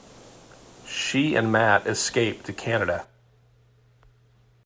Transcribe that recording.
She and Matt escape to Canada.